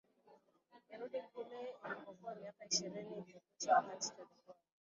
irudi kule ilipokuwa miaka ishirini iliokwisha wakati tulikuwa